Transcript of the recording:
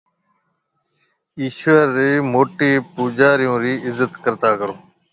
ايشوَر رَي موٽَي پُوجاريون رِي عزت ڪرتا ڪرو۔